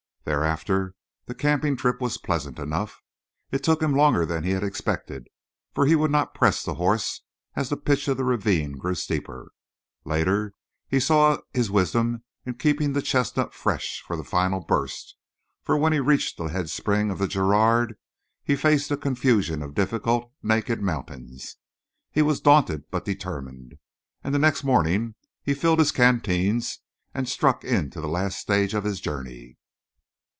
Thereafter the camping trip was pleasant enough. It took him longer than he had expected, for he would not press the horse as the pitch of the ravine grew steeper; later he saw his wisdom in keeping the chestnut fresh for the final burst, for when he reached the head spring of the Girard, he faced a confusion of difficult, naked mountains. He was daunted but determined, and the next morning he filled his canteens and struck into the last stage of his journey.